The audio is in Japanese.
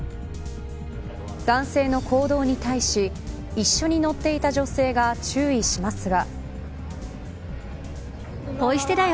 男性の行動に対し一緒に乗っていた女性が注意しますが。